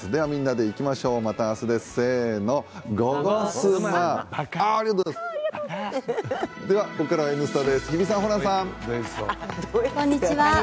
颯アサヒの緑茶「颯」ではここからは「Ｎスタ」です日比さん、ホランさん。